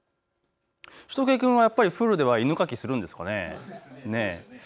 しゅと犬くんはやっぱりプールでは犬かきするんですかね。